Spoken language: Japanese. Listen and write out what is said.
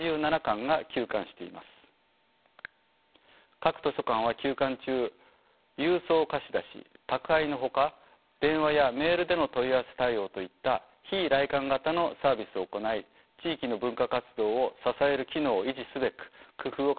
各図書館は休館中郵送貸し出し宅配のほか電話やメールでの問い合わせ対応といった非来館型のサービスを行い地域の文化活動を支える機能を維持すべく工夫を重ねてました。